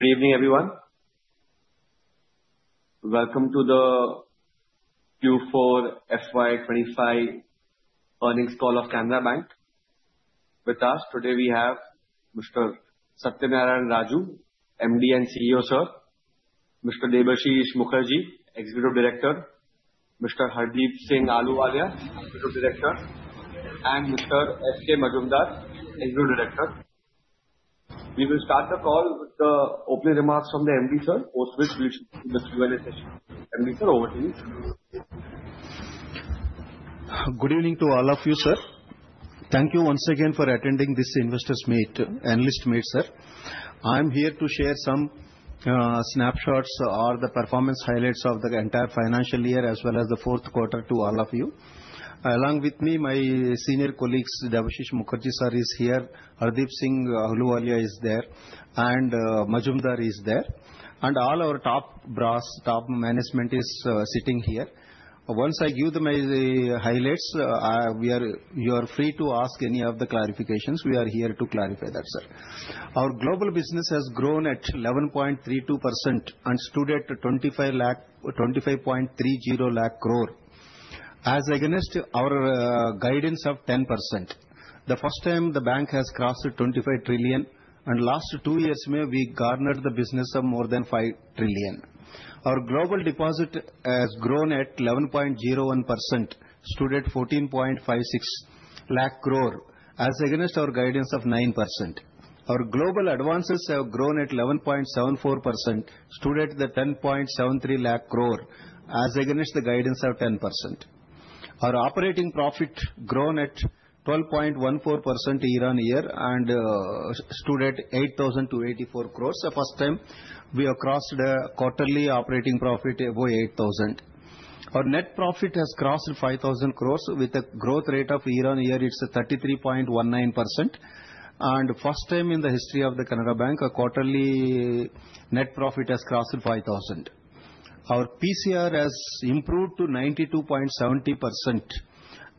Good evening, everyone. Welcome to the Q4 FY25 earnings call of Canara Bank. With us today, we have Mr. Satyanarayana Raju, MD and CEO, sir, Mr. Debashish Mukherjee, Executive Director, Mr. Hardeep Singh Ahluwalia, Executive Director, and Mr. S. K. Majumdar, CFO. We will start the call with the opening remarks from the MD, sir, post which we will proceed to the Q&A session. MD, sir, over to you. Good evening to all of you, sir. Thank you once again for attending this investors' meet, analyst meet, sir. I'm here to share some snapshots or the performance highlights of the entire financial year as well as the fourth quarter to all of you. Along with me, my senior colleagues, Debashish Mukherjee, sir, is here. Hardeep Singh Ahluwalia is there, and S. K. Majumdar is there, and all our top brass, top management is sitting here. Once I give the highlights, you are free to ask any of the clarifications. We are here to clarify that, sir. Our global business has grown at 11.32% and stood at 25.30 lakh crore. As against our guidance of 10%, the first time the bank has crossed 25 trillion, and last two years we garnered the business of more than 5 trillion. Our global deposit has grown at 11.01% and stood at 14.56 lakh crore, as against our guidance of 9%. Our global advances have grown at 11.74% and stood at 10.73 lakh crore, as against the guidance of 10%. Our operating profit has grown at 12.14% year on year and stood at 8,284 crores. The first time we crossed quarterly operating profit above 8,000. Our net profit has crossed 5,000 crores with a growth rate of year on year. It's 33.19%. And first time in the history of the Canara Bank, quarterly net profit has crossed 5,000. Our PCR has improved to 92.70%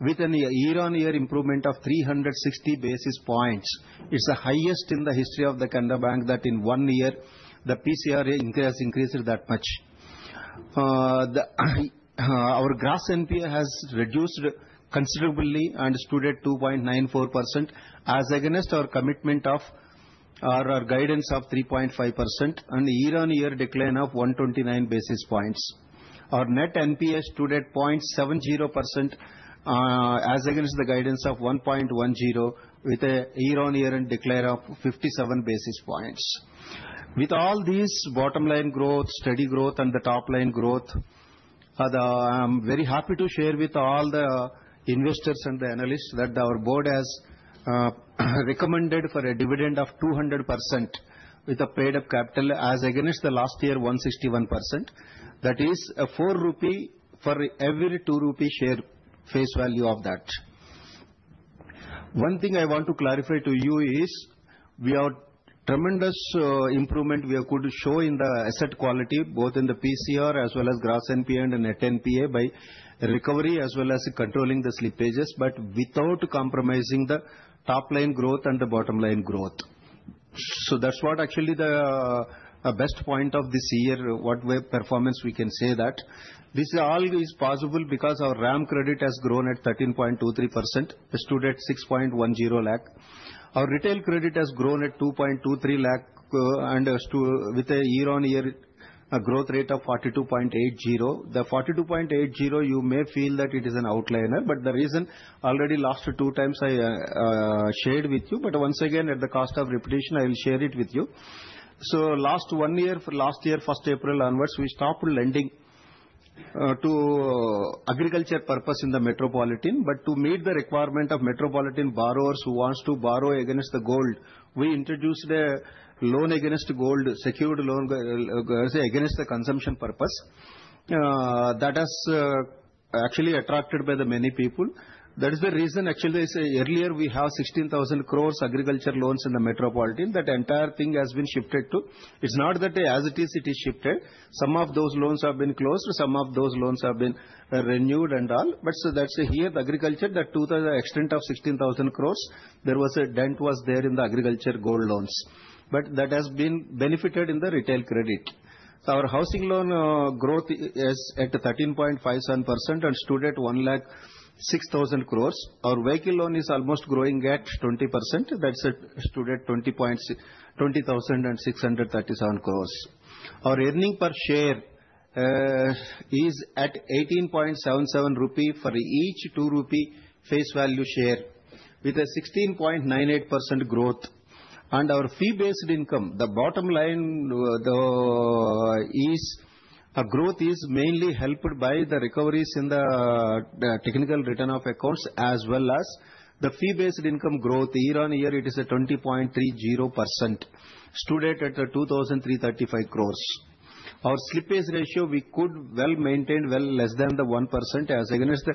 with a year on year improvement of 360 basis points. It's the highest in the history of the Canara Bank that in one year the PCR increase increased that much. Our gross NPA has reduced considerably and stood at 2.94%, as against our commitment of our guidance of 3.5% and year on year decline of 129 basis points. Our net NPA stood at 0.70%, as against the guidance of 1.10, with a year on year decline of 57 basis points. With all these bottom line growth, steady growth, and the top line growth, I'm very happy to share with all the investors and the analysts that our board has recommended for a dividend of 200% with a paid-up capital, as against the last year 161%. That is 4 rupee for every 2 rupee share face value of that. One thing I want to clarify to you is we have tremendous improvement we could show in the asset quality, both in the PCR as well as gross NPA and net NPA by recovery as well as controlling the slippages, but without compromising the top line growth and the bottom line growth. So that's what actually the best point of this year, what performance we can say that. This is always possible because our RAM credit has grown at 13.23%, stood at 6.10 lakh. Our retail credit has grown at 2.23 lakh with a year on year growth rate of 42.80%. The 42.80%, you may feel that it is an outlier, but the reason already last two times I shared with you, but once again at the cost of repetition, I'll share it with you. Last one year, last year first April onwards, we stopped lending to agriculture purpose in the metropolitan but to meet the requirement of metropolitan borrowers who want to borrow against the gold. We introduced a loan against gold, secured loan against the consumption purpose. That has actually attracted many people. That is the reason actually earlier we have 16,000 crores agriculture loans in the metropolitan that entire thing has been shifted to. It's not that as it is, it is shifted. Some of those loans have been closed, some of those loans have been renewed and all. But so that's here the agriculture that to the extent of 16,000 crores, there was a dent was there in the agriculture gold loans. But that has been benefited in the retail credit. So our housing loan growth is at 13.57% and stood at 1,006,000 crores. Our vehicle loan is almost growing at 20%. That's stood at 20,637 crores. Our earning per share is at 18.77 rupee for each 2 rupee face value share with a 16.98% growth. And our fee-based income, the bottom line is growth is mainly helped by the recoveries in the technical write-off of accounts as well as the fee-based income growth. Year on year it is 20.30%, stood at 2,335 crores. Our slippage ratio we could well maintain well less than the 1% as against the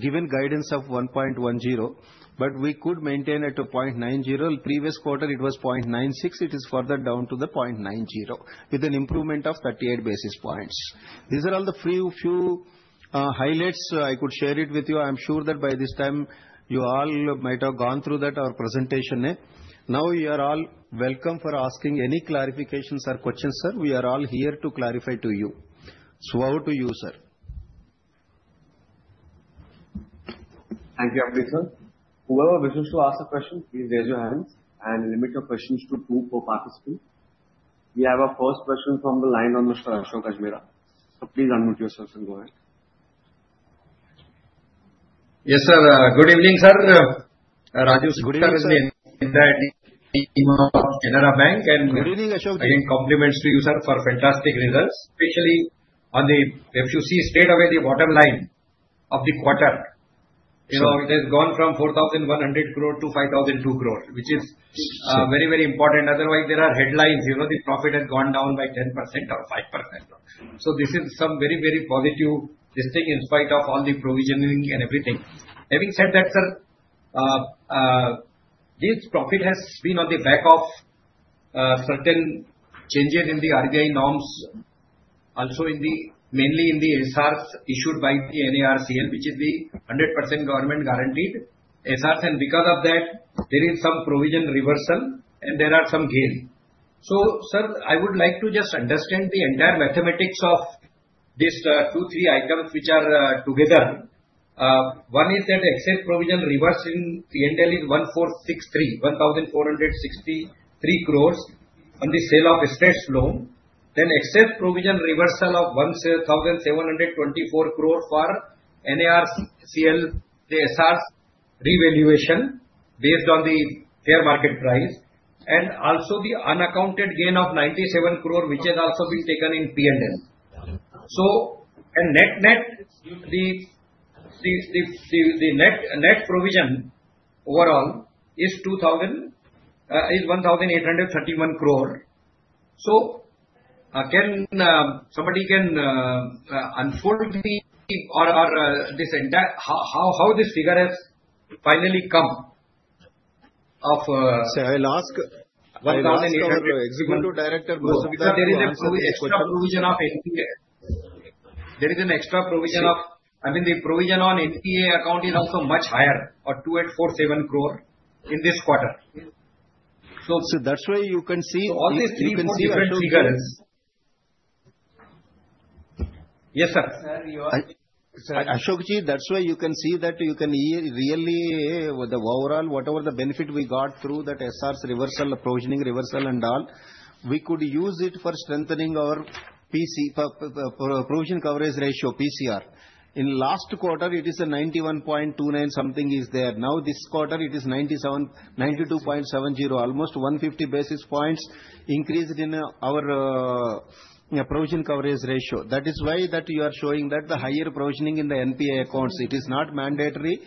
given guidance of 1.10%, but we could maintain at 0.90%. Previous quarter it was 0.96%. It is further down to the 0.90% with an improvement of 38 basis points. These are all the few highlights I could share it with you. I'm sure that by this time you all might have gone through that our presentation. Now you are all welcome for asking any clarifications or questions, sir. We are all here to clarify to you. So over to you, sir. Thank you, everyone. Whoever wishes to ask a question, please raise your hands and limit your questions to two co-participants. We have a first question from the line on Mr. Ashok Ajmera. So please unmute yourselves and go ahead. Yes, sir. Good evening, sir. Raju. Good evening. In the team of Canara Bank and. Good evening, Ashok. Again, compliments to you, sir, for fantastic results. Especially on the if you see straight away the bottom line of the quarter, you know it has gone from 4,100 crore to 5,002 crore, which is very, very important. Otherwise, there are headlines. You know the profit has gone down by 10% or 5%. So this is some very, very positive this thing in spite of all the provisioning and everything. Having said that, sir, this profit has been on the back of certain changes in the RBI norms, also mainly in the SRs issued by the NARCL, which is the 100% government guaranteed SRs. And because of that, there is some provision reversal and there are some gains. So, sir, I would like to just understand the entire mathematics of these two, three items which are together. One is that excess provision reversal in the end is INR 1,463 crore on the sale of stressed assets. Then excess provision reversal of 1,724 crore for NARCL, the SRs revaluation based on the fair market price. And also the unaccounted gain of INR 97 crore, which has also been taken in P&L. So net net the net provision overall is INR 1,831 crore. So can somebody unfold how this figure has finally come to. Sir, I'll ask. 1,831 to director. There is an extra provision of NPA. There is an extra provision of. I mean, the provision on NPA account is also much higher, of 2,847 crore in this quarter. So. So that's why you can see. All these three different figures. Yes, sir. Sir, Ashok Ji, that's why you can see that you can really the overall whatever the benefit we got through that SRs reversal, provisioning reversal and all, we could use it for strengthening our provision coverage ratio, PCR. In last quarter, it is 91.29 something is there. Now this quarter, it is 92.70, almost 150 basis points increased in our provision coverage ratio. That is why that you are showing that the higher provisioning in the NPA accounts. It is not mandatory,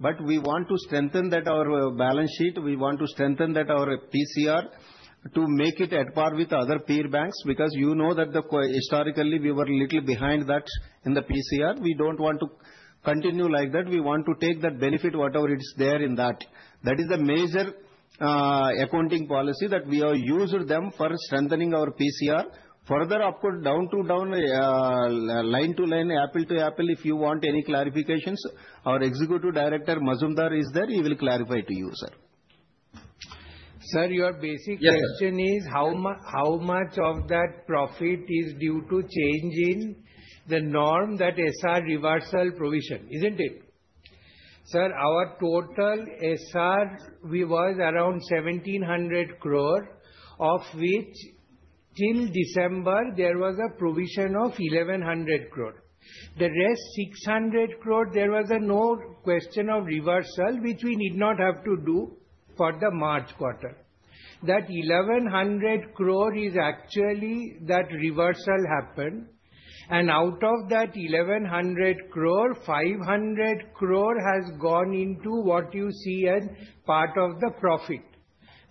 but we want to strengthen that our balance sheet. We want to strengthen that our PCR to make it at par with other peer banks because you know that historically we were a little behind that in the PCR. We don't want to continue like that. We want to take that benefit whatever it is there in that. That is the major accounting policy that we have used them for strengthening our PCR. Further up, down to down, line to line, apple to apple. If you want any clarifications, our Executive Director, Majumdar, is there. He will clarify to you, sir. Sir, your basic question is how much of that profit is due to change in the norm that SR reversal provision, isn't it? Sir, our total SR was around 1,700 crore, of which till December there was a provision of 1,100 crore. The rest 600 crore, there was no question of reversal, which we did not have to do for the March quarter. That 1,100 crore is actually that reversal happened, and out of that 1,100 crore, 500 crore has gone into what you see as part of the profit.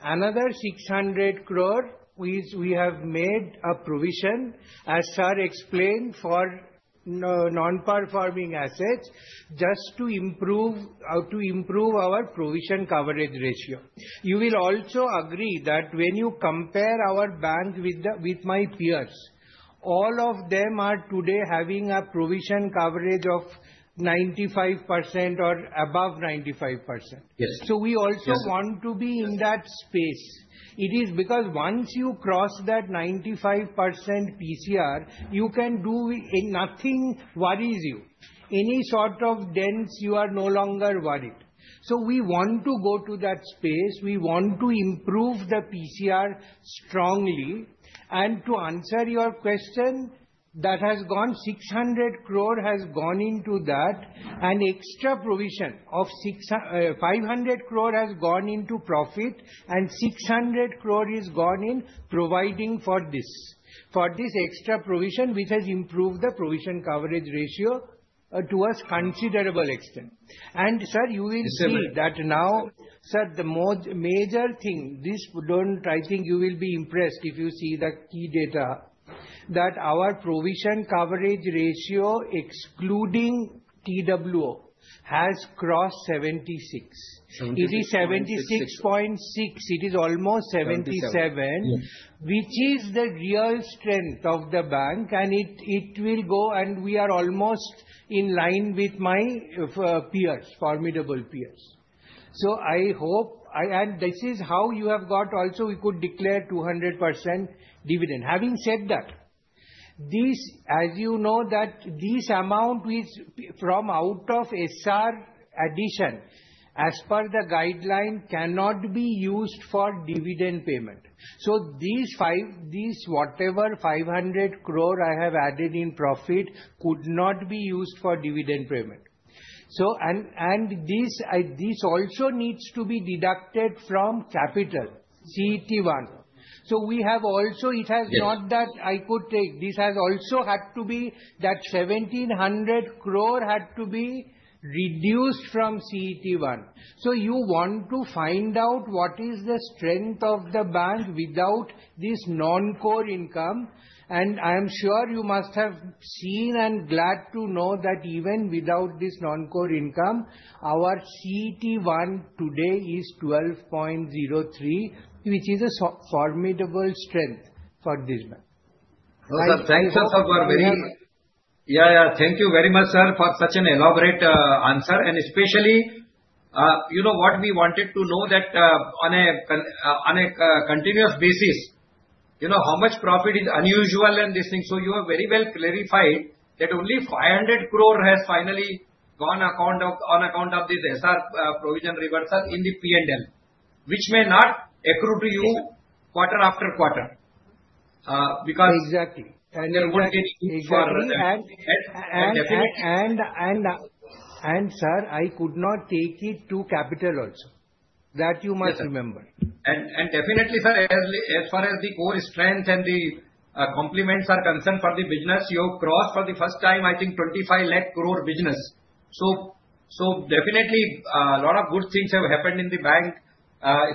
Another 600 crore we have made a provision, as sir explained, for non-performing assets just to improve our provision coverage ratio. You will also agree that when you compare our bank with my peers, all of them are today having a provision coverage of 95% or above 95%. So we also want to be in that space. It is because once you cross that 95% PCR, you can do nothing. Worries you. Any sort of dents, you are no longer worried, so we want to go to that space. We want to improve the PCR strongly, and to answer your question, that has gone, 600 crore has gone into that. And extra provision of 500 crore has gone into profit, and 600 crore is gone in providing for this. For this extra provision, which has improved the provision coverage ratio to a considerable extent, and sir, you will see that now, sir, the major thing, this, I think you will be impressed if you see the key data, that our provision coverage ratio excluding TWO has crossed 76%. It is 76.6%. It is almost 77%, which is the real strength of the bank. And it will go, and we are almost in line with my peers, formidable peers. So, I hope, and this is how you have got; also, we could declare 200% dividend. Having said that, as you know, that this amount which from out of SR addition, as per the guideline, cannot be used for dividend payment. So, these whatever 500 crore I have added in profit could not be used for dividend payment. And this also needs to be deducted from capital, CET1. So, we have also; it has not that I could take. This has also had to be; that 1,700 crore had to be reduced from CET1. So, you want to find out what is the strength of the bank without this non-core income. I am sure you must have seen, and glad to know that even without this non-core income, our CET1 today is 12.03, which is a formidable strength for this bank. Thank you so very much. Yeah, yeah. Thank you very much, sir, for such an elaborate answer. And especially you know what we wanted to know that on a continuous basis, you know how much profit is unusual and this thing. So you have very well clarified that only 500 crore has finally gone on account of this SR provision reversal in the P&L, which may not accrue to you quarter after quarter because. Exactly. Sir, I could not take it to capital also. That you must remember. And definitely, sir, as far as the core strength and the compliments are concerned for the business, you have crossed for the first time, I think, 25 lakh crore business. So definitely a lot of good things have happened in the bank,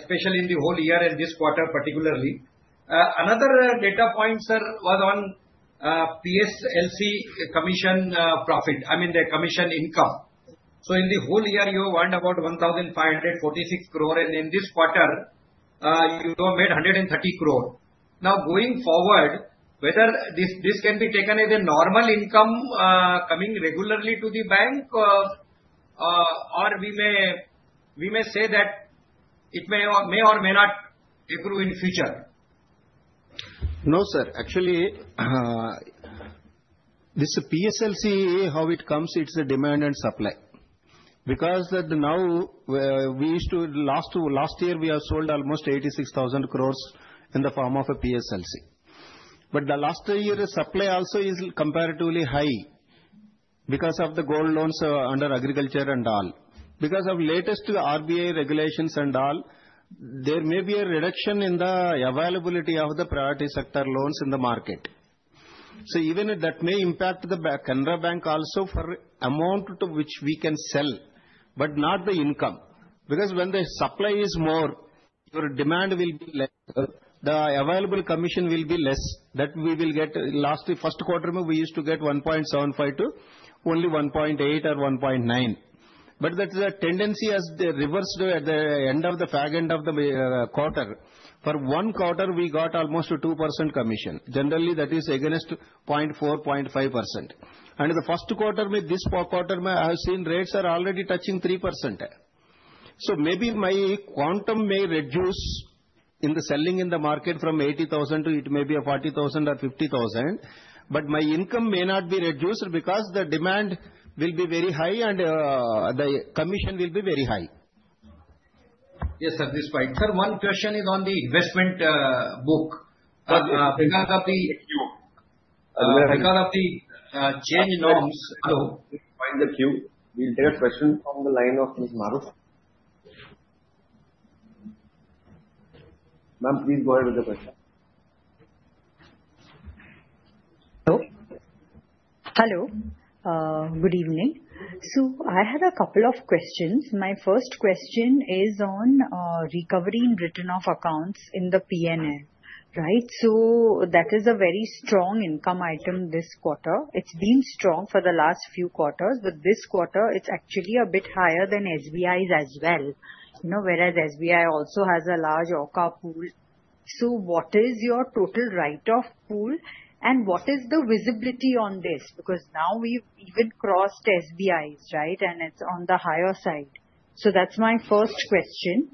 especially in the whole year and this quarter particularly. Another data point, sir, was on PSLC commission profit. I mean the commission income. So in the whole year, you earned about 1,546 crore. And in this quarter, you made 130 crore. Now going forward, whether this can be taken as a normal income coming regularly to the bank, or we may say that it may or may not accrue in future? No, sir. Actually, this PSLC, how it comes, it's a demand and supply. Because that now we used to last year we have sold almost 86,000 crores in the form of a PSLC. But the last year supply also is comparatively high because of the gold loans under agriculture and all. Because of latest RBI regulations and all, there may be a reduction in the availability of the priority sector loans in the market. So even that may impact the Canara Bank also for amount to which we can sell, but not the income. Because when the supply is more, your demand will be less. The available commission will be less. That we will get last first quarter, we used to get 1.75 to only 1.8 or 1.9. But that is a tendency as the reversed at the end of the quarter. For one quarter, we got almost 2% commission. Generally, that is against 0.4%-0.5%. And the first quarter, this quarter, may have seen rates already touching 3%. So maybe my quantum may reduce in the selling in the market from 80,000 to 40,000 or 50,000. But my income may not be reduced because the demand will be very high and the commission will be very high. Yes, sir, this point. Sir, one question is on the investment book. Because of the change norms. We'll find the cue. We'll take a question from the line of Ms. Mahrukh Ma'am, please go ahead with the question. Hello. Hello. Good evening. So I have a couple of questions. My first question is on recovery in written-off accounts in the P&L. Right? So that is a very strong income item this quarter. It's been strong for the last few quarters. But this quarter, it's actually a bit higher than SBI's as well. You know whereas SBI also has a large OCA pool. So what is your total write-off pool and what is the visibility on this? Because now we've even crossed SBI's, right? And it's on the higher side. So that's my first question.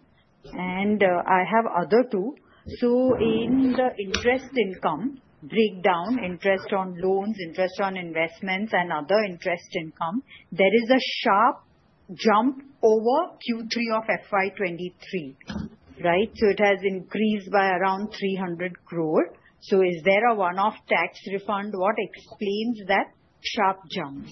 And I have other two. So in the interest income breakdown, interest on loans, interest on investments, and other interest income, there is a sharp jump over Q3 of FY23. Right? So it has increased by around 300 crore. So is there a one-off tax refund? What explains that sharp jump?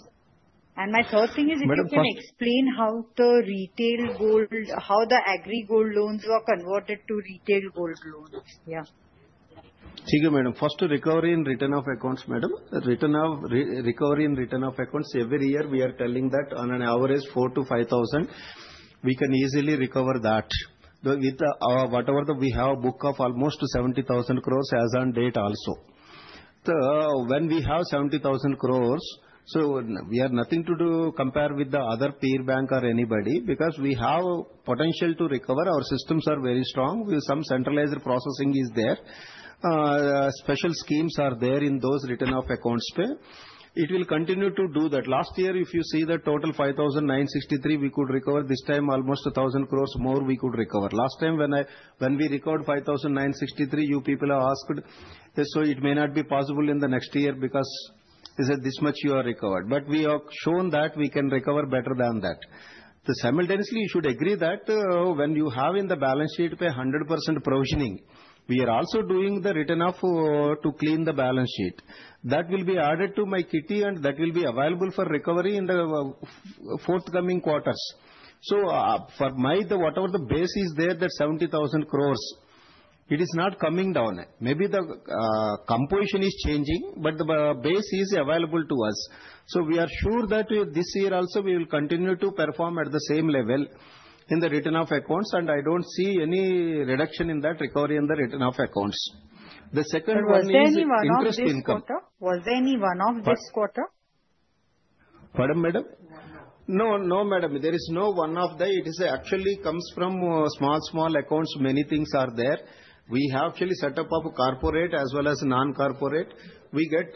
My third thing is if you can explain how the retail gold, how the agri gold loans were converted to retail gold loans? Yeah. Okay, Madam. First, recovery in written-off accounts, Madam. Recovery from written-off accounts, every year, we are telling that on an average 4,000 to 5,000. We can easily recover that. With whatever we have a book of almost 70,000 crore as on date also. When we have 70,000 crore, so we have nothing to do compare with the other peer bank or anybody. Because we have potential to recover. Our systems are very strong. Some centralized processing is there. Special schemes are there in those written-off accounts. It will continue to do that. Last year, if you see the total 5,963, we could recover this time almost 1,000 crore more we could recover. Last time when we recovered 5,963, you people have asked, so it may not be possible in the next year because is it this much you are recovered. But we have shown that we can recover better than that. Simultaneously, you should agree that when you have made 100% provisioning in the balance sheet, we are also doing the write-off to clean the balance sheet. That will be added to my kitty and that will be available for recovery in the forthcoming quarters. So for whatever the base is there, that 70,000 crore, it is not coming down. Maybe the composition is changing, but the base is available to us. So we are sure that this year also we will continue to perform at the same level in the recovery of accounts. And I don't see any reduction in that recovery from the written-off accounts. The second one is interest income. Was there any one of this quarter? Madam? No, no, madam. There is no one of the it is actually comes from small, small accounts. Many things are there. We have actually set up of corporate as well as non-corporate. We get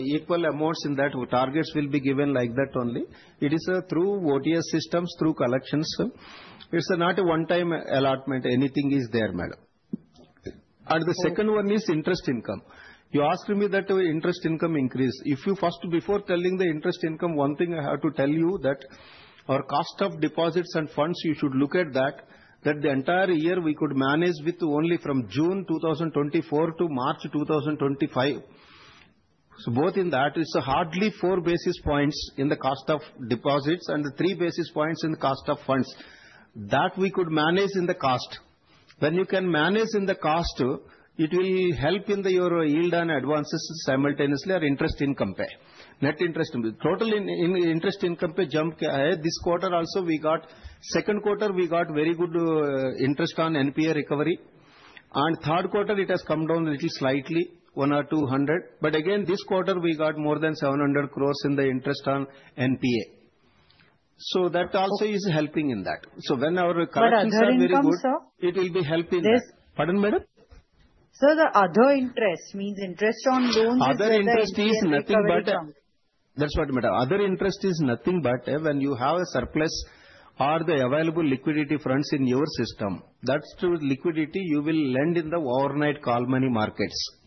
equal amounts in that targets will be given like that only. It is through OTS systems, through collections. It's not a one-time allotment. Anything is there, madam. And the second one is interest income. You asked me that interest income increase. If you first before telling the interest income, one thing I have to tell you that our cost of deposits and funds, you should look at that. That the entire year we could manage with only from June 2024 to March 2025. So both in that, it's hardly four basis points in the cost of deposits and three basis points in the cost of funds. That we could manage in the cost. When you can manage in the cost, it will help in your yield and advances simultaneously or interest income pay. Net interest. Total interest income pay jump this quarter also. We got second quarter we got very good interest on NPA recovery, and third quarter it has come down a little slightly, one or two hundred, but again this quarter we got more than 700 crores in the interest on NPA, so that also is helping in that, so when our collections are very good, it will be helping that. Pardon, madam? So the other interest means interest on loans is not interest on the accounts. Other interest is nothing but that's what, madam. Other interest is nothing but when you have a surplus or the available liquidity funds in your system. That's true liquidity you will lend in the overnight call money markets.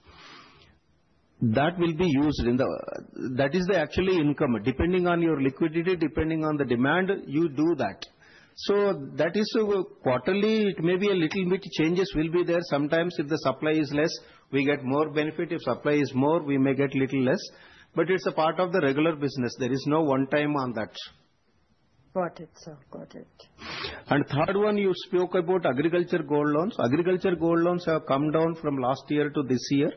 That will be used in the; that is the actual income. Depending on your liquidity, depending on the demand, you do that. So that is quarterly. It may be a little bit changes will be there sometimes if the supply is less. We get more benefit. If supply is more, we may get little less. But it's a part of the regular business. There is no one time on that. Got it, sir. Got it. Third one, you spoke about agriculture gold loans. Agriculture gold loans have come down from last year to this year.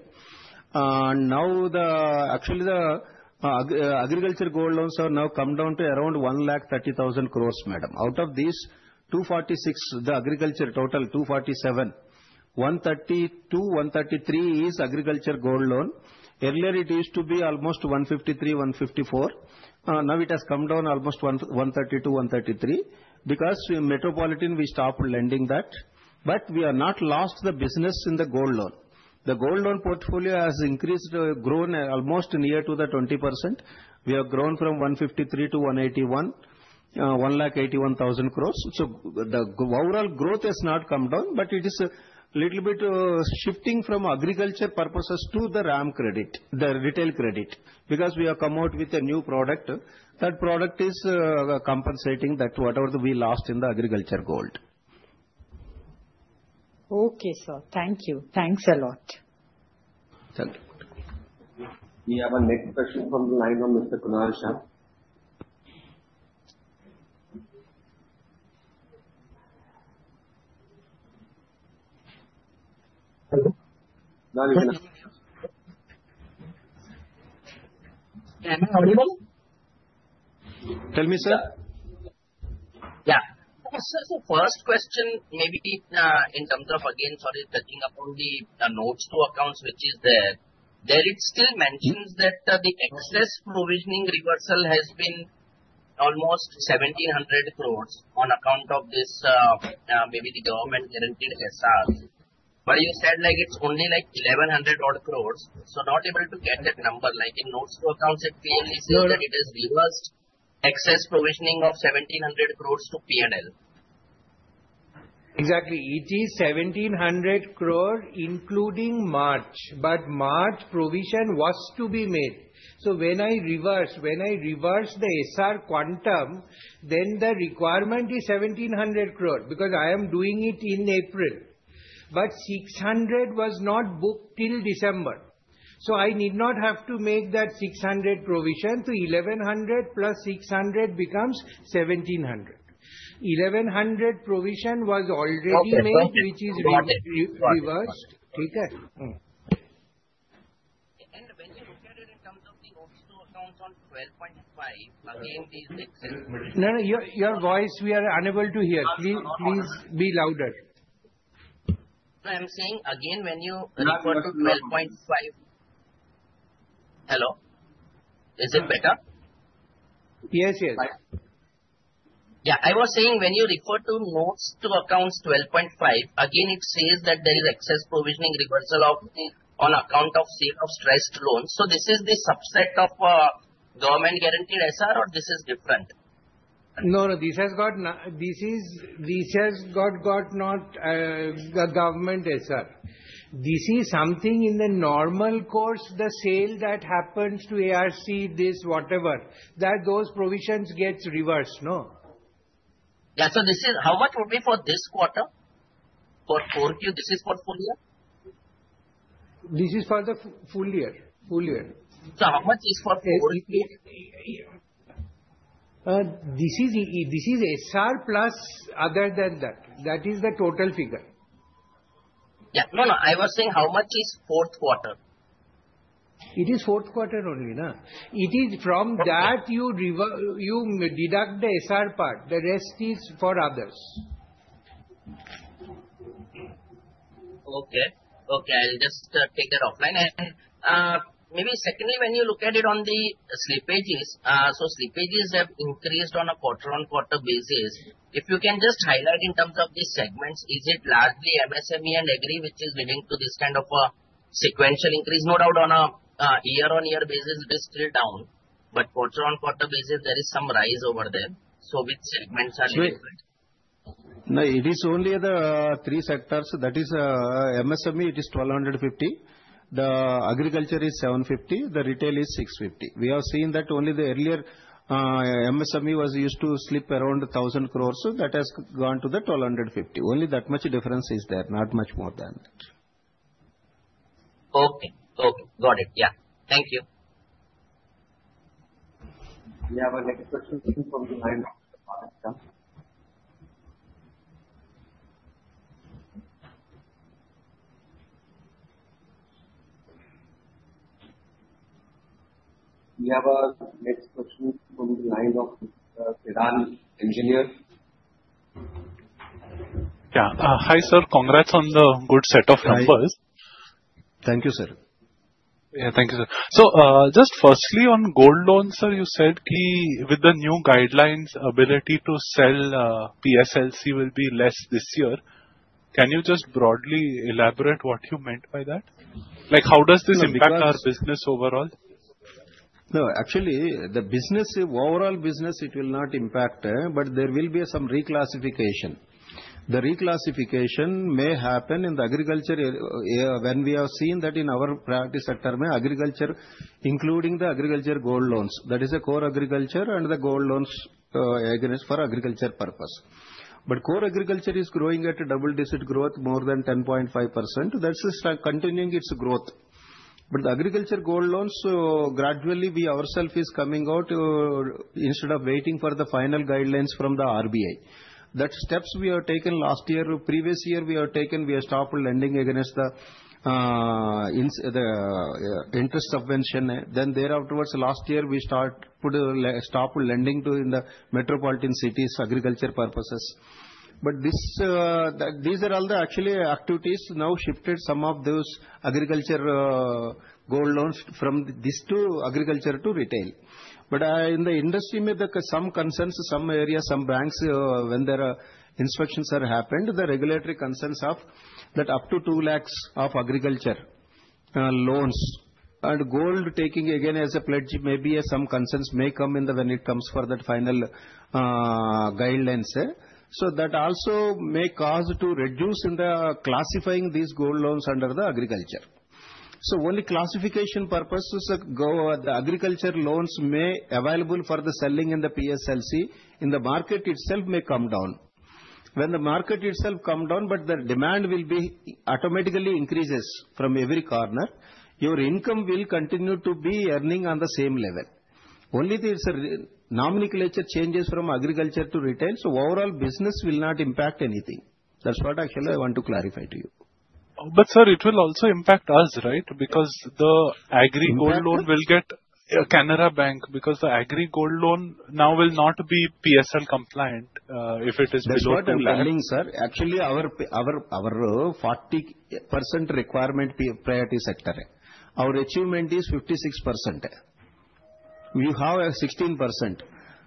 Now actually the agriculture gold loans have come down to around 130,000 crores, madam. Out of these, 246 the agriculture total 247. 132-133 is agriculture gold loan. Earlier it used to be almost 153-154. Now it has come down almost 132-133. Because in metropolitan we stopped lending that. We have not lost the business in the gold loan. The gold loan portfolio has increased almost near to 20%. We have grown from 153 to 181,000 crores. The overall growth has not come down. It is a little bit shifting from agriculture purposes to the RAM credit, the retail credit. Because we have come out with a new product. That product is compensating that whatever we lost in the agriculture gold. Okay, sir. Thank you. Thanks a lot. Thank you. We have a next question from the line of Mr. Kunal Shah. Hello. Tell me, sir. Yeah. So, first question, maybe in terms of, again, sorry, touching upon the notes to accounts which is there. There, it still mentions that the excess provisioning reversal has been almost 1,700 crores on account of this, maybe the government guaranteed SR. But you said, like, it's only like 1,100 crores. So, not able to get that number. Like, in notes to accounts, it clearly says that it has reversed excess provisioning of 1,700 crores to P&L. Exactly. It is 1,700 crore including March. But March provision was to be made. So when I reverse the SR quantum, then the requirement is 1,700 crore. Because I am doing it in April. But 600 was not booked till December. So I need not have to make that 600 provision. 1,100 plus 600 becomes 1,700. 1,100 provision was already made which is reversed. And when you look at it in terms of the notes to accounts on 12.5, again these excess. No, no. Your voice we are unable to hear. Please be louder. So, I'm saying again, when you refer to 12.5, hello? Is it better? Yes, yes. Yeah. I was saying when you refer to Notes to Accounts 12.5, again it says that there is excess provisioning reversal on account of sale of stressed loans. So this is the subset of government guaranteed SR or this is different? No, no. This has got not the government SR. This is something in the normal course, the sale that happens to ARC, this whatever. Those provisions gets reversed. No. Yeah. So this is how much would be for this quarter? For Q this is portfolio? This is for the full year. Full year. So how much is for Q? This is SR plus other than that. That is the total figure. Yeah. No, no. I was saying how much is fourth quarter? It is fourth quarter only. It is from that you deduct the SR part. The rest is for others. Okay. Okay. I'll just take that offline. And maybe secondly, when you look at it on the slippage, so slippage has increased on a quarter-on-quarter basis. If you can just highlight in terms of the segments, is it largely MSME and agri which is leading to this kind of sequential increase? No doubt on a year-on-year basis it is still down. But quarter-on-quarter basis there is some rise over there. So which segments are different? No. It is only the three sectors. That is MSME, it is 1,250 crore. The agriculture is 750 crore. The retail is 650 crore. We have seen that only the earlier MSME was used to slip around 1,000 crores. That has gone to the 1,250 crore. Only that much difference is there. Not much more than that. Okay. Okay. Got it. Yeah. Thank you. We have a next question from the line of Piran. We have a next question from the line of the Piran Engineer. Yeah. Hi sir. Congrats on the good set of numbers. Thank you, sir. Yeah. Thank you, sir. So just firstly on gold loans, sir, you said with the new guidelines, ability to sell PSLC will be less this year. Can you just broadly elaborate what you meant by that? Like how does this impact our business overall? No. Actually, the business overall business it will not impact. But there will be some reclassification. The reclassification may happen in the agriculture when we have seen that in our priority sector, agriculture, including the agriculture gold loans. That is a core agriculture and the gold loans for agriculture purpose. But core agriculture is growing at a double-digit growth, more than 10.5%. That's continuing its growth. But the agriculture gold loans gradually we ourselves are coming out instead of waiting for the final guidelines from the RBI. That steps we have taken last year. Previous year we have taken, we have stopped lending against the interest subvention. Then thereafter towards last year we stopped lending to in the metropolitan cities agriculture purposes. But these are all the actually activities now shifted some of those agriculture gold loans from this to agriculture to retail. But in the industry may have some concerns, some areas, some banks when there are inspections are happened, the regulatory concerns of that up to 2 lakhs of agriculture loans. And gold taking again as a pledge maybe some concerns may come in the when it comes for that final guidelines. So that also may cause to reduce in the classifying these gold loans under the agriculture. So only classification purposes go the agriculture loans may available for the selling in the PSLC in the market itself may come down. When the market itself come down, but the demand will be automatically increases from every corner. Your income will continue to be earning on the same level. Only there is a nomenclature changes from agriculture to retail. So overall business will not impact anything. That's what actually I want to clarify to you. But sir, it will also impact us, right? Because the agri gold loan will hit Canara Bank. Because the agri gold loan now will not be PSL compliant if it is below 2 lakhs. That's what I'm telling you, sir. Actually, our 40% requirement priority sector. Our achievement is 56%. We have 16%.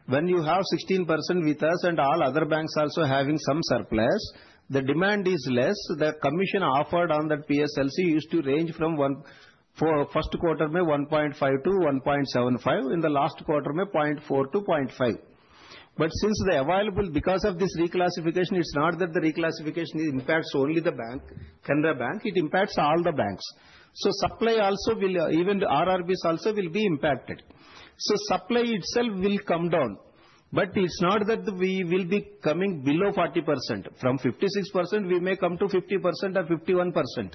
When you have 16% with us and all other banks also having some surplus, the demand is less. The commission offered on that PSLC used to range from first quarter, maybe 1.5%-1.75%. In the last quarter, maybe 0.4%-0.5%. But since the availability because of this reclassification, it's not that the reclassification impacts only the bank, Canara Bank. It impacts all the banks. So supply also, even RRBs also will be impacted. So supply itself will come down. But it's not that we will be coming below 40%. From 56% we may come to 50% or 51%.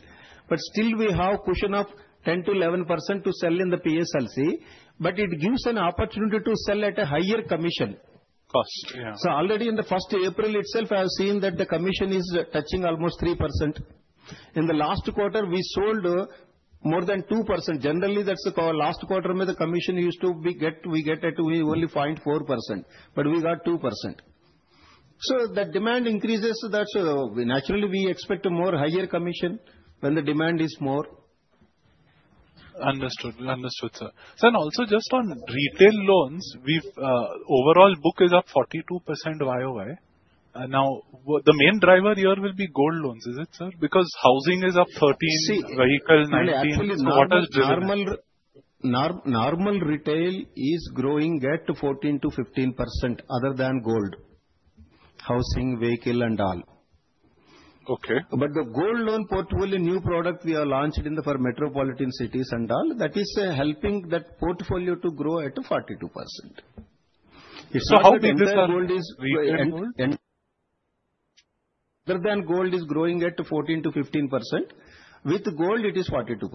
But still we have quantum of 10%-11% to sell in the PSLC. But it gives an opportunity to sell at a higher commission. Cost. Yeah. So already in the first April itself, I have seen that the commission is touching almost 3%. In the last quarter, we sold more than 2%. Generally, that's last quarter may the commission used to get we get at only 0.4%. But we got 2%. So that demand increases. That's naturally we expect more higher commission when the demand is more. Understood. Understood, sir. Sir, and also just on retail loans, we've overall book is up 42% YOI. Now the main driver here will be gold loans, is it, sir? Because housing is up 13%, vehicle 19%. Actually, normal retail is growing at 14%-15% other than gold. Housing, vehicle, and all. Okay. But the gold loan portfolio new product we have launched in the four metropolitan cities and all, that is helping that portfolio to grow at 42%. So how big is gold? Other than gold is growing at 14%-15%. With gold, it is 42%.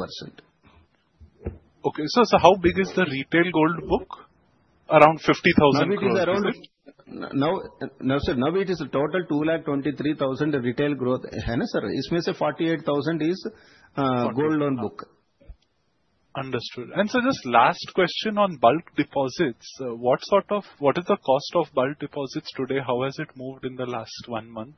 Okay. Sir, so how big is the retail gold book? Around 50,000 crores. Now it is around 223,000 retail growth. Isn't it, sir? Understood. Sir, just last question on bulk deposits. What is the cost of bulk deposits today? How has it moved in the last one month?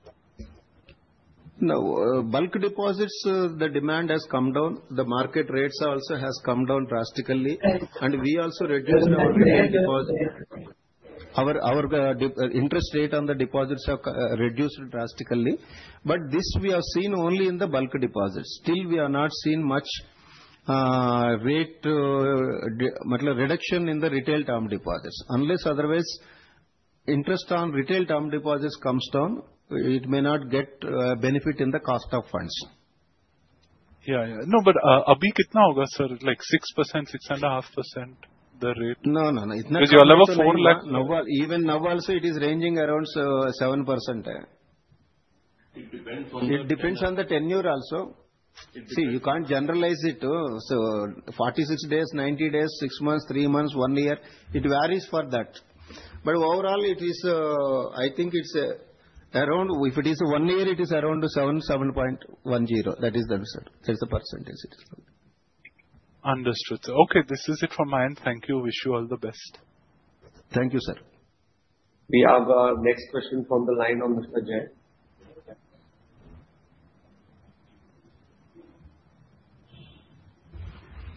Now, bulk deposits, the demand has come down. The market rates also has come down drastically, and we also reduced our retail deposits. Our interest rate on the deposits have reduced drastically, but this we have seen only in the bulk deposits. Still, we are not seeing much rate reduction in the retail term deposits. Unless otherwise interest on retail term deposits comes down, it may not get benefit in the cost of funds. Yeah. Yeah. No, but ABI kitna hoga, sir? Like 6%, 6.5% the rate? No, no, no. Because you are above 4 lakhs. Even now also it is ranging around 7%. It depends on the tenure. It depends on the tenure also. See, you can't generalize it. So 46 days, 90 days, 6 months, 3 months, 1 year. It varies for that. But overall it is I think it's around if it is 1 year, it is around 7.10%. That is the percentage. Understood. Okay. This is it from my end. Thank you. Wish you all the best. Thank you, sir. We have a next question from the line on Mr. Jai.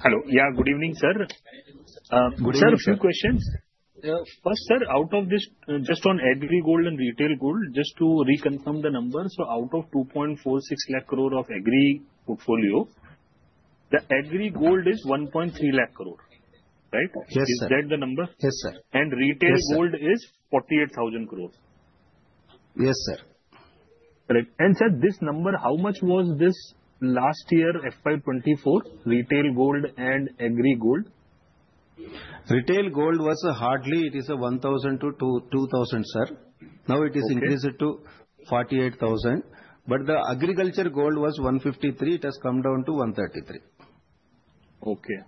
Hello. Yeah. Good evening, sir. Good evening, sir. Sir, a few questions. First, sir, out of this just on agri gold and retail gold, just to reconfirm the number. So out of 2.46 lakh crore of agri portfolio, the agri gold is 1.3 lakh crore. Right? Yes, sir. Is that the number? Yes, sir. Retail gold is 48,000 crores. Yes, sir. Correct. And sir, this number, how much was this last year, FY24, retail gold and agri gold? Retail gold was hardly. It is 1,000-2,000, sir. Now it is increased to 48,000. But the agriculture gold was 153. It has come down to 133. Okay.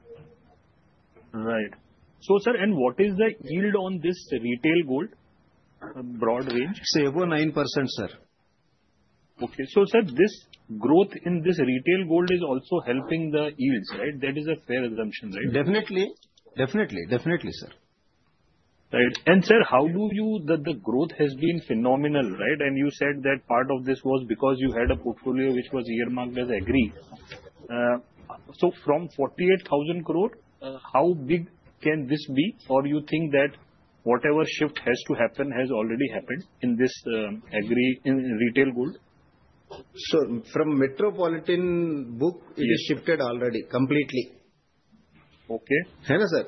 Right. Sir, what is the yield on this retail gold broad range? It's above 9%, sir. Okay. So, sir, this growth in this retail gold is also helping the yields. Right? That is a fair assumption. Right? Definitely. Definitely. Definitely, sir. Right. And sir, how do you see the growth has been phenomenal. Right? And you said that part of this was because you had a portfolio which was earmarked as agri. So from 48,000 crore, how big can this be? Or do you think that whatever shift has to happen has already happened in this agri in retail gold? Sir, from metropolitan book, it is shifted already completely. Okay. Isn't it, sir?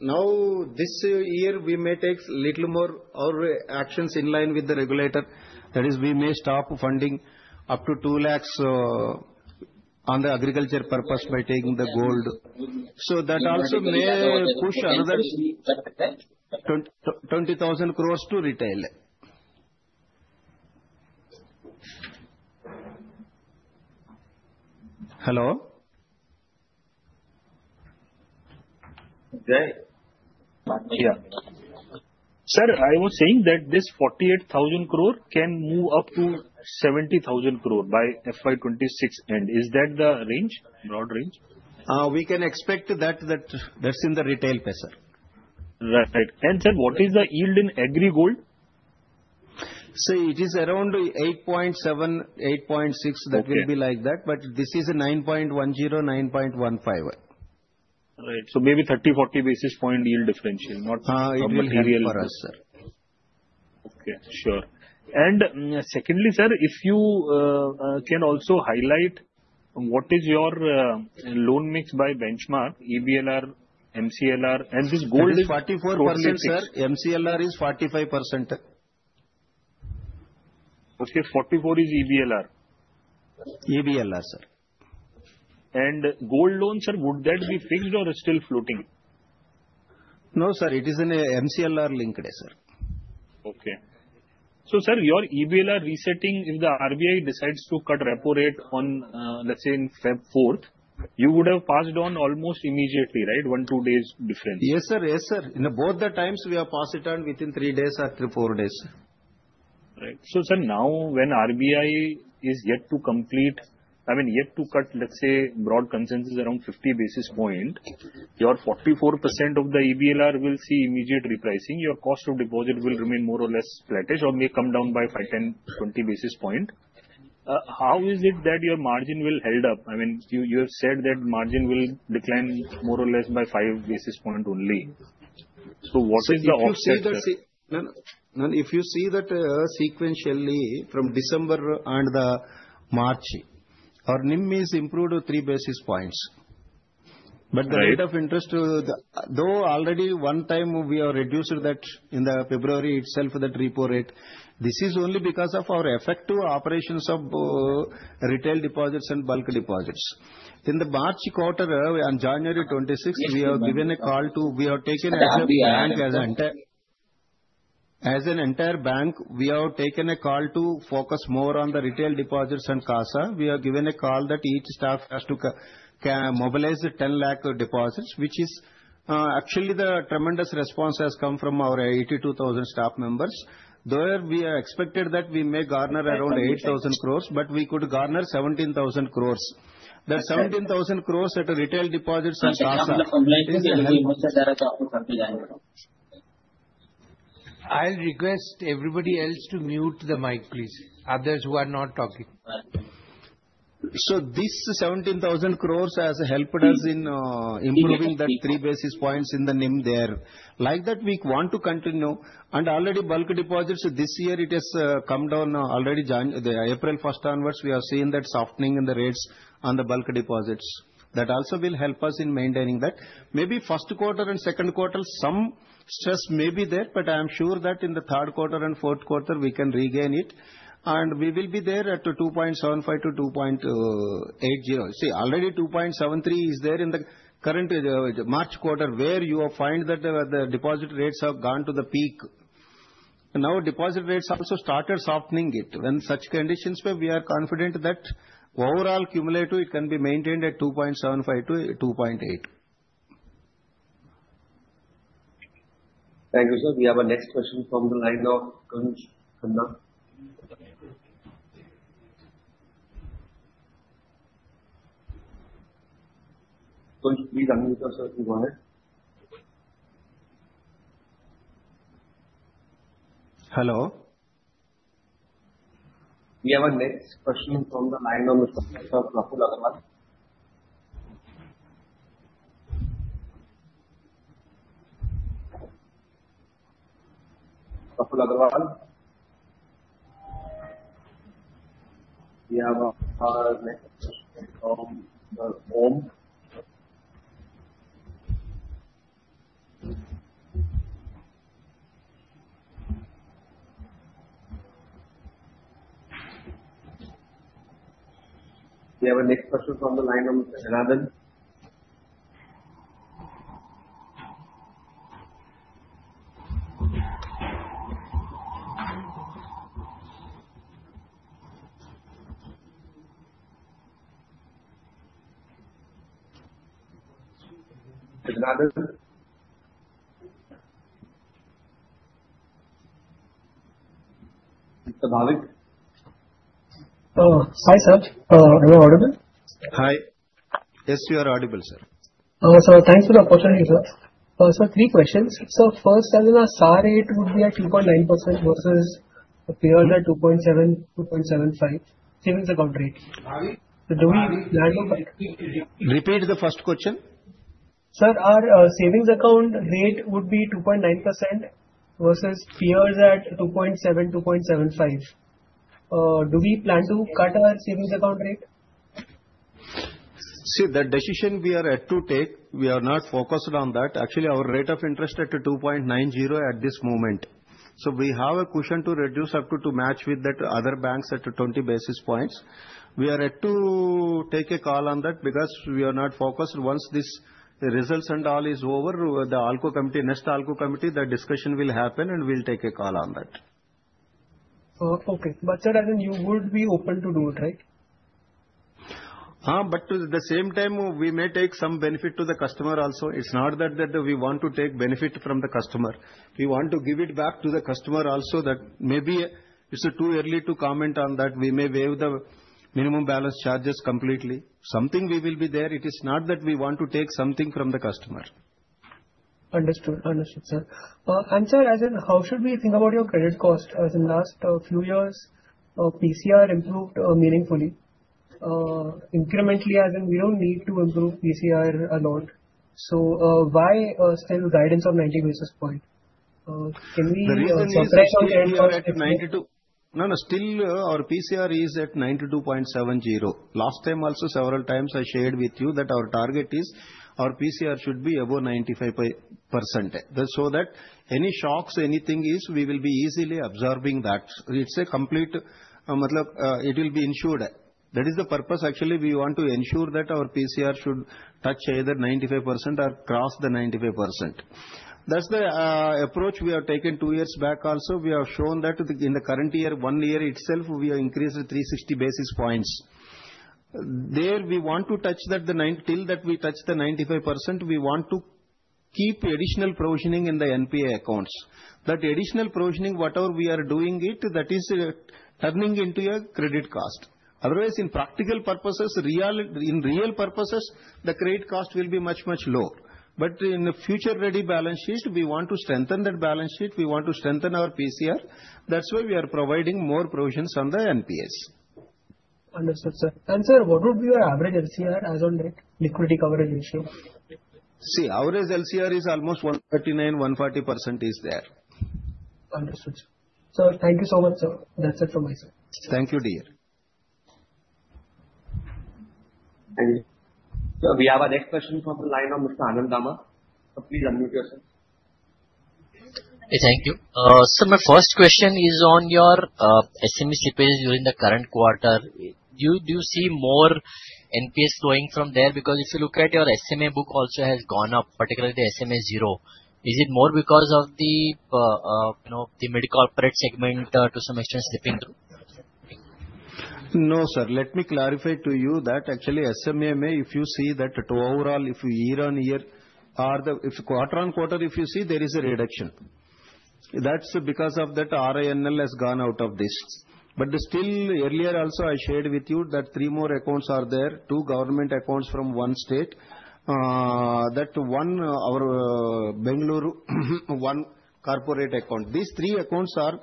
Now this year we may take little more actions in line with the regulator. That is we may stop funding up to two lakhs on the agriculture purpose by taking the gold. So that also may push another INR 20,000 crores to retail. Hello? Jay. Yeah. Sir, I was saying that this 48,000 crore can move up to 70,000 crore by FY26 end. Is that the range? Broad range? We can expect that that's in the retail personal. Right. And sir, what is the yield in agri gold? See, it is around 8.7, 8.6. That will be like that. But this is 9.10, 9.15. Right. So maybe 30-40 basis point yield differential. Not material for us, sir. Okay. Sure, and secondly, sir, if you can also highlight what is your loan mix by benchmark, EBLR, MCLR, and this gold? Gold is 44%, sir. MCLR is 45%. Okay. 44 is EBLR. EBLR, sir. Gold loans, sir, would that be fixed or still floating? No, sir. It is in MCLR linked, sir. Okay. So sir, your EBLR resetting if the RBI decides to cut repo rate on, let's say, in February 2024, you would have passed on almost immediately. Right? One, two days difference. Yes, sir. Yes, sir. In both the times, we have passed it on within three days or four days. Right. So sir, now when RBI is yet to complete I mean, yet to cut, let's say, broad consensus around 50 basis point, your 44% of the EBLR will see immediate repricing. Your cost of deposit will remain more or less flattish or may come down by 10, 20 basis point. How is it that your margin will held up? I mean, you have said that margin will decline more or less by 5 basis point only. So what is the offset? No, no. If you see that sequentially from December and the March, our NIM is improved 3 basis points. But the rate of interest, though already one time we have reduced that in the February itself, that repo rate, this is only because of our effective operations of retail deposits and bulk deposits. In the March quarter on January 26, we have given a call to we have taken as an entire bank, we have taken a call to focus more on the retail deposits and CASA. We have given a call that each staff has to mobilize 10 lakh deposits, which is actually the tremendous response has come from our 82,000 staff members. There we have expected that we may garner around 8,000 crores, but we could garner 17,000 crores. That 17,000 crores at retail deposits and CASA. I'll request everybody else to mute the mic, please. Others who are not talking. So this 17,000 crore has helped us in improving that 3 basis points in the NIM there. Like that, we want to continue. And already bulk deposits this year it has come down already April 1 onwards we have seen that softening in the rates on the bulk deposits. That also will help us in maintaining that. Maybe first quarter and second quarter some stress may be there, but I am sure that in the third quarter and fourth quarter we can regain it. And we will be there at 2.75%-2.80%. See, already 2.73% is there in the current March quarter where you have found that the deposit rates have gone to the peak. Now deposit rates also started softening it. When such conditions we are confident that overall cumulative it can be maintained at 2.75%-2.8%. Thank you, sir. We have a next question from the line of Kunsh Kandar. Kunsh, please unmute yourself and go ahead. Hello. We have a next question from the line of Mr. Prabhul Agrawal. Prabhul Agrawal. We have a next question from Om. We have a next question from the line of Mr. Janardhan. Janardhan. Mr. Bhavik. Hi, sir. Am I audible? Hi. Yes, you are audible, sir. Oh, so thanks for the opportunity, sir. Sir, three questions. So first, sir, in a CASA rate, would be at 2.9% versus a peer at 2.7%-2.75% savings account rate. Do we plan to? Repeat the first question. Sir, our savings account rate would be 2.9% versus peers at 2.7%, 2.75%. Do we plan to cut our savings account rate? See, the decision we are to take, we are not focused on that. Actually, our rate of interest at 2.90 at this moment. So we have a cushion to reduce up to match with that other banks at 20 basis points. We are yet to take a call on that because we are not focused. Once this results and all is over, the ALCO committee, next ALCO committee, the discussion will happen and we'll take a call on that. Okay. But sir, doesn't you would be open to do it, right? But at the same time, we may pass some benefit to the customer also. It's not that we want to take benefit from the customer. We want to give it back to the customer also, that maybe it's too early to comment on that. We may waive the minimum balance charges completely. Something will be there. It is not that we want to take something from the customer. Understood. Understood, sir. And sir, how should we think about your credit cost? As in last few years, PCR improved meaningfully. Incrementally, as in we don't need to improve PCR a lot. So why still guidance of 90 basis point? Can we suppress our credit cost? No, no. Still, our PCR is at 92.70%. Last time also, several times I shared with you that our target is our PCR should be above 95%. So that any shocks, anything is, we will be easily absorbing that. It's a complete it will be ensured. That is the purpose. Actually, we want to ensure that our PCR should touch either 95% or cross the 95%. That's the approach we have taken two years back also. We have shown that in the current year, one year itself, we have increased 360 basis points. There we want to touch that till that we touch the 95%, we want to keep additional provisioning in the NPA accounts. That additional provisioning, whatever we are doing it, that is turning into a credit cost. Otherwise, in practical purposes, in real purposes, the credit cost will be much, much lower. But in a future ready balance sheet, we want to strengthen that balance sheet. We want to strengthen our PCR. That's why we are providing more provisions on the NPAs. Understood, sir. And sir, what would be your average LCR as on date? Liquidity coverage ratio. See, average LCR is almost 139%-140% is there. Understood, sir. So thank you so much, sir. That's it from my side. Thank you, dear. Thank you. So we have a next question from the line of Mr. Anand Dama. So please unmute yourself. Thank you. Sir, my first question is on your SME slippage during the current quarter. Do you see more NPAs flowing from there? Because if you look at your SMA book also has gone up, particularly the SMA 0. Is it more because of the mid-corporate segment to some extent slipping through? No, sir. Let me clarify to you that actually SMA may, if you see that overall, if year on year or the if quarter on quarter, if you see there is a reduction. That's because of that RINL has gone out of this. But still earlier also I shared with you that three more accounts are there, two government accounts from one state. That one our Bengaluru one corporate account. These three accounts are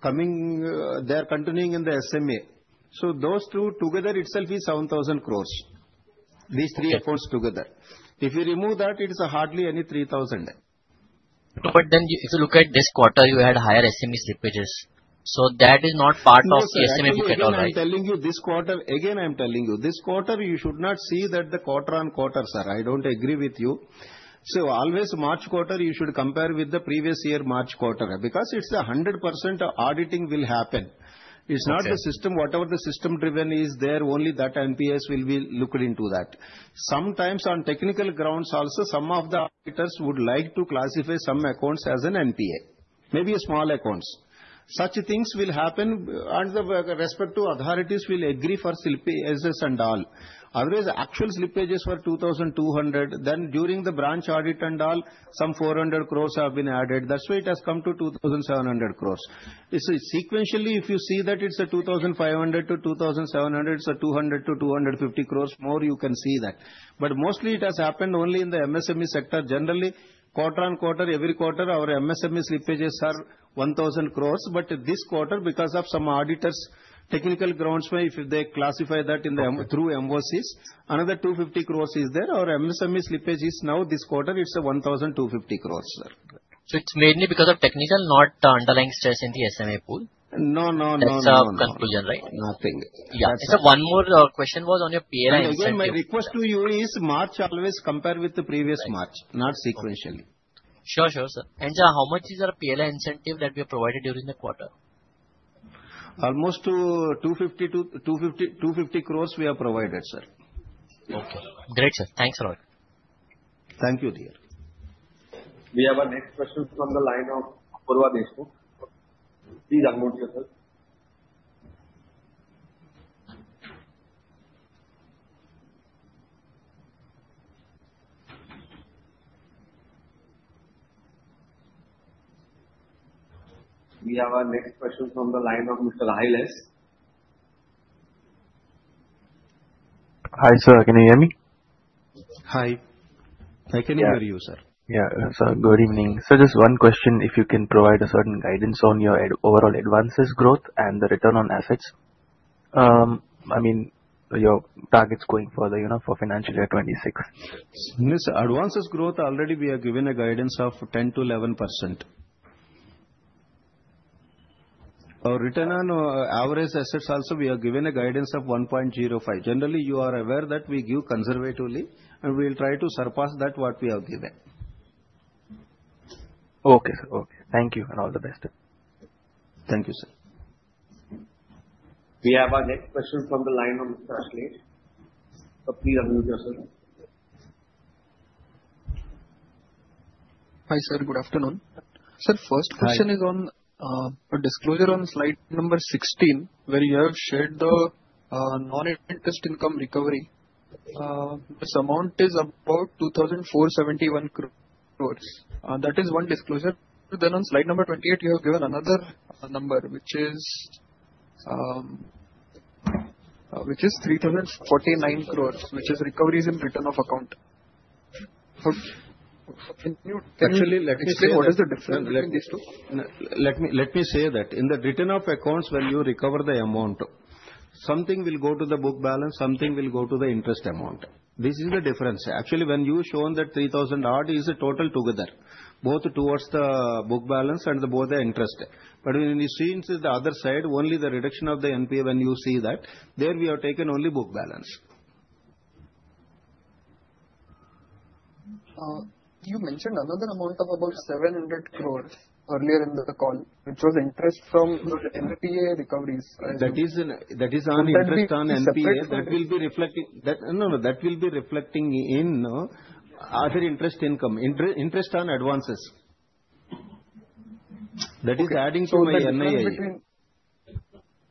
coming they are continuing in the SMA. So those two together itself is 7,000 crore. These three accounts together. If you remove that, it is hardly any 3,000 crore. But then if you look at this quarter, you had higher SME slippages. So that is not part of the SMA book at all, right? No, no. I'm telling you this quarter, again I'm telling you, this quarter you should not see that the quarter on quarter, sir. I don't agree with you. Always March quarter you should compare with the previous year March quarter because it's 100% auditing will happen. It's not the system. Whatever the system driven is there, only that NPAs will be looked into that. Sometimes on technical grounds also, some of the auditors would like to classify some accounts as an NPA. Maybe a small accounts. Such things will happen and the respective authorities will agree for slippages and all. Otherwise, actual slippages were 2,200. Then during the branch audit and all, some 400 crores have been added. That's why it has come to 2,700 crores. Sequentially, if you see that it's 2,500 to 2,700, it's 200 to 250 crores more, you can see that. But mostly it has happened only in the MSME sector. Generally, quarter on quarter, every quarter, our MSME slippages are 1,000 crores. But this quarter, because of some auditors' technical grounds, if they classify that through MOCs, another 250 crores is there. Our MSME slippage is now this quarter, it's 1,250 crores, sir. So it's mainly because of technical, not the underlying stress in the SMA pool? No, no, no. That's a conclusion, right? Nothing. Yeah. Sir, one more question was on your PLI incentive. Again, my request to you is March always compare with the previous March, not sequentially. Sure, sure, sir. And sir, how much is our PLI incentive that we have provided during the quarter? Almost 250 crores we have provided, sir. Okay. Great, sir. Thanks a lot. Thank you, dear. We have a next question from the line of Prabhul Agrawal Deshpur. Please unmute yourself. We have a next question from the line of Mr. Akhilesh. Hi, sir. Can you hear me? Hi. I can hear you, sir. Yeah, sir. Good evening. Sir, just one question. If you can provide a certain guidance on your overall advances growth and the return on assets, I mean, your targets going further for financial year 26. Advances growth. Already we have given a guidance of 10%-11%. Our return on average assets also, we have given a guidance of 1.05%. Generally, you are aware that we give conservatively and we will try to surpass that what we have given. Okay, sir. Okay. Thank you and all the best. Thank you, sir. We have a next question from the line of Mr. Ashlesh. So please unmute yourself. Hi, sir. Good afternoon. Sir, first question is on a disclosure on slide number 16, where you have shared the non-interest income recovery. This amount is about 2,471 crores. That is one disclosure. Then on slide number 28, you have given another number, which is 3,049 crores, which is recoveries in return of account. Actually, let me explain what is the difference between these two. Let me say that in the return of accounts, when you recover the amount, something will go to the book balance, something will go to the interest amount. This is the difference. Actually, when you show that 3,000 odd is total together, both towards the book balance and both the interest. But when you see the other side, only the reduction of the NPA, when you see that, there we have taken only book balance. You mentioned another amount of about 700 crores earlier in the call, which was interest from NPA recoveries. That is on interest on NPA that will be reflecting in other interest income, interest on advances. That is adding to my NII.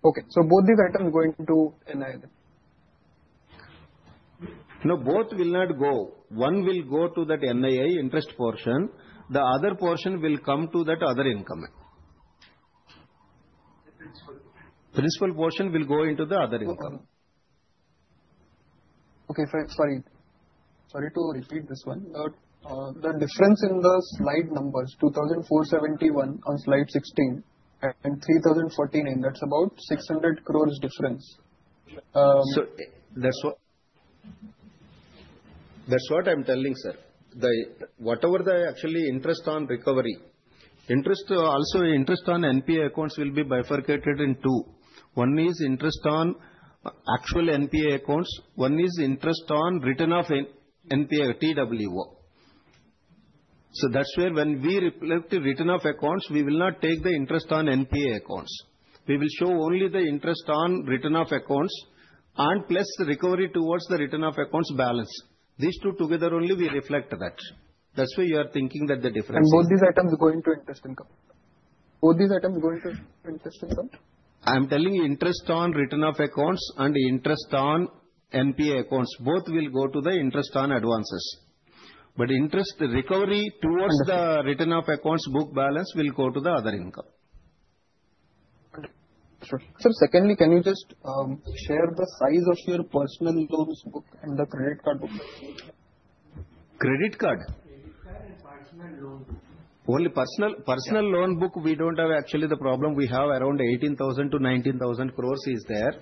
Okay. So both these items going to NII? No, both will not go. One will go to that NII interest portion. The other portion will come to that other income. Principal portion will go into the other income. Okay. Sorry. Sorry to repeat this one. The difference in the slide numbers, 2,471 on slide 16 and 3,049, that's about 600 crores difference. That's what I'm telling, sir. Whatever the actual interest on recovery, interest also, interest on NPA accounts will be bifurcated into two. One is interest on actual NPA accounts. One is interest on written-off NPA TWO. So that's where when we reflect written-off accounts, we will not take the interest on NPA accounts. We will show only the interest on written-off accounts and plus recovery towards the written-off accounts balance. These two together only we reflect that. That's why you are thinking that the difference is. Both these items go into interest income? Both these items go into interest income? I'm telling you interest on return of accounts and interest on NPA accounts. Both will go to the interest on advances. But interest recovery towards the return of accounts book balance will go to the other income. Sir, secondly, can you just share the size of your personal loans book and the credit card book? Credit card? Only personal loan book. Only personal loan book, we don't have actually the problem. We have around 18,000-19,000 crores is there.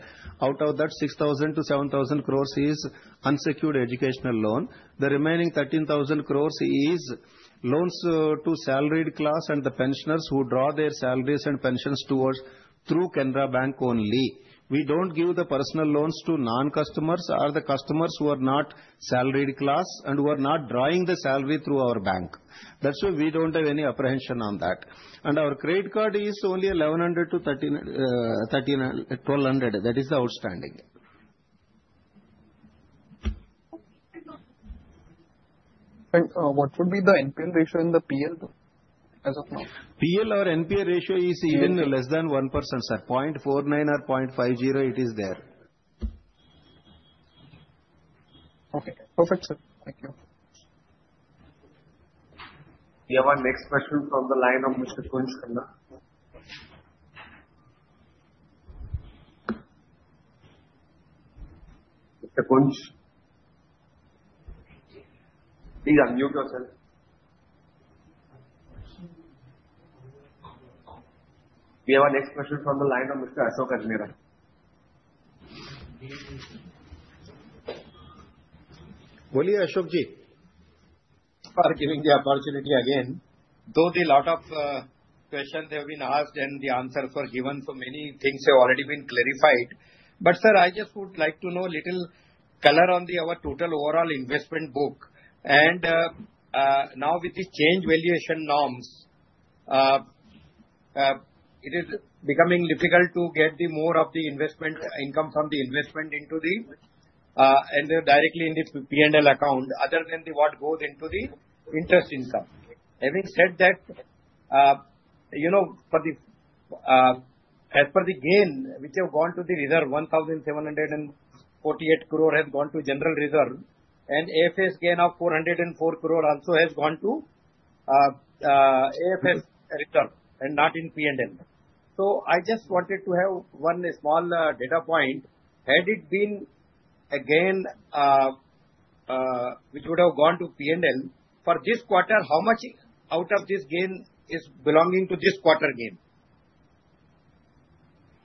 Out of that, 6,000-7,000 crores is unsecured educational loan. The remaining 13,000 crores is loans to salaried class and the pensioners who draw their salaries and pensions towards through Canara Bank only. We don't give the personal loans to non-customers or the customers who are not salaried class and who are not drawing the salary through our bank. That's why we don't have any apprehension on that, and our credit card is only 1,100-1,200. That is the outstanding. What would be the NPA ratio in the PL as of now? PL or NPA ratio is even less than 1%, sir. 0.49 or 0.50, it is there. Okay. Perfect, sir. Thank you. We have a next question from the line of Mr. Kunsh. Mr. Kunsh, please unmute yourself. We have a next question from the line of Mr. Ashok Ajmera. Hello Ashok ji. For giving the opportunity again. Though a lot of questions have been asked and the answers were given for many things have already been clarified. But sir, I just would like to know a little color on our total overall investment book. And now with these change valuation norms, it is becoming difficult to get more of the investment income from the investment into the and directly in the P&L account other than what goes into the interest income. Having said that, as per the gain which has gone to the reserve, 1,748 crore has gone to General Reserve. And AFS gain of 404 crore also has gone to AFS Reserve and not in P&L. So I just wanted to have one small data point. Had it been a gain which would have gone to P&L, for this quarter, how much out of this gain is belonging to this quarter gain,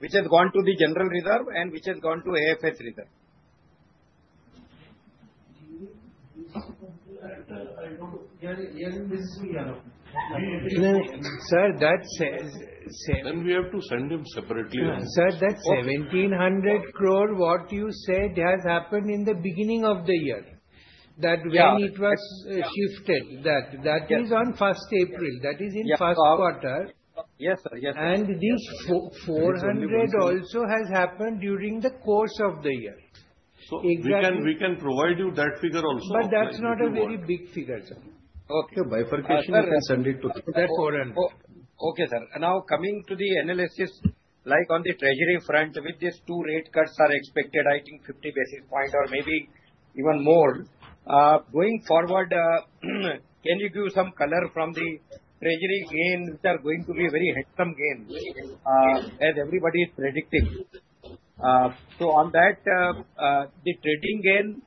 which has gone to the General Reserve and which has gone to AFS Reserve? Sir, that says. Then we have to send him separately. Sir, that 1,700 crore, what you said has happened in the beginning of the year. That when it was shifted, that is on 1st April. That is in 1st quarter. And this 400 crore also has happened during the course of the year. So we can provide you that figure also. But that's not a very big figure, sir. Okay. Bifurcation, you can send it to. That's 400. Okay, sir. Now coming to the analysis, like on the treasury front, with these two rate cuts are expected, I think 50 basis points or maybe even more. Going forward, can you give some color from the treasury gain which are going to be very handsome gain, as everybody is predicting? So on that, the trading gain,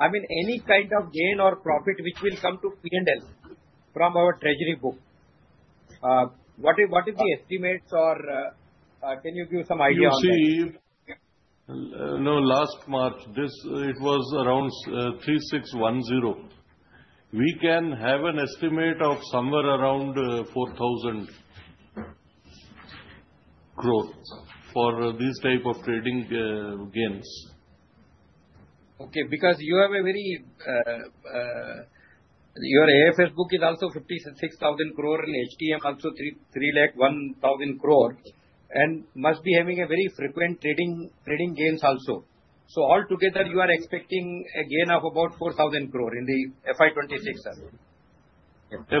I mean, any kind of gain or profit which will come to P&L from our treasury book, what is the estimates or can you give some idea on that? No, last March, it was around 3,610. We can have an estimate of somewhere around 4,000 crore for these type of trading gains. Okay. Because you have a very your AFS book is also 56,000 crore and HTM also 3,000 crore and must be having a very frequent trading gains also. So altogether, you are expecting a gain of about 4,000 crore in the FY26.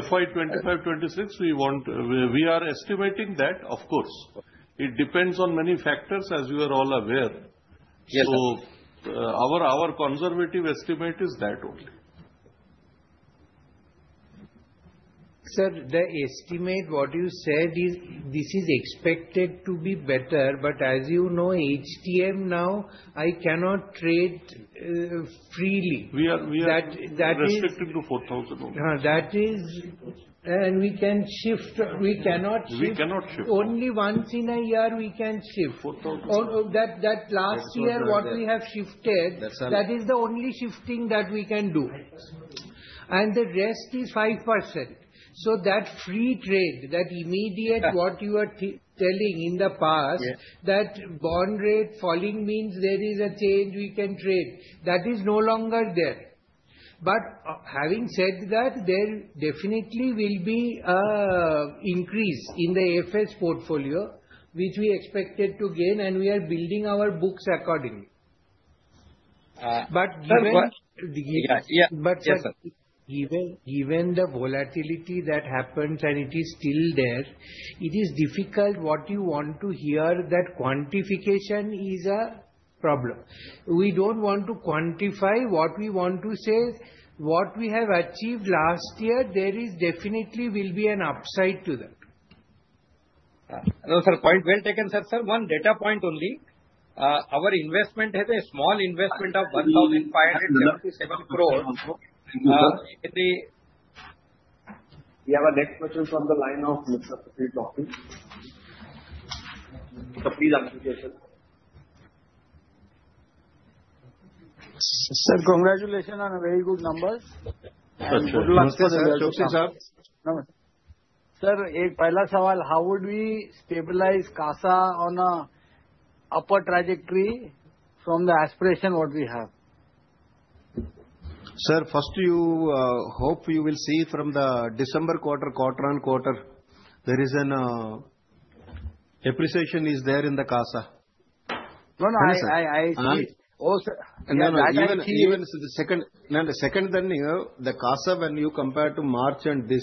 FY25, FY26, we are estimating that, of course. It depends on many factors, as you are all aware, so our conservative estimate is that only. Sir, the estimate, what you said, this is expected to be better. But as you know, HTM now, I cannot trade freely. We are restricted to 4,000 only. We can shift. We cannot shift. We cannot shift. Only once in a year we can shift. That last year, what we have shifted, that is the only shifting that we can do, and the rest is 5%. So that free trade, that immediate what you are telling in the past, that bond rate falling means there is a change we can trade, that is no longer there, but having said that, there definitely will be an increase in the AFS portfolio, which we expected to gain, and we are building our books accordingly. But given the volatility that happens and it is still there, it is difficult what you want to hear, that quantification is a problem. We don't want to quantify what we want to say. What we have achieved last year, there definitely will be an upside to that. No, sir. Point well taken, sir. Sir, one data point only. Our investment has a small investment of 1,577 crore. We have a next question from the line of Mr.Ashlesh talking. So please unmute yourself. Sir, congratulations on very good numbers. Sir, a first question. Sir, a first question. Sir, a first question. How would we stabilize CASA on an upper trajectory from the aspiration what we have? Sir, first, you will see from the December quarter, quarter on quarter, there is an appreciation in the CASA. No, no, I see. No, no. Even the second, second, then the CASA, when you compare to March and this,